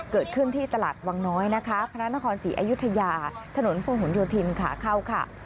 เกิดขึ้นที่ตลาดวังน้อยนะคะพระนครศรีอยุธยาถนนพงหนโยธินขาเข้าค่ะ